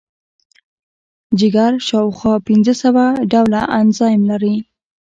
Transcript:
جگر شاوخوا پنځه سوه ډوله انزایم لري.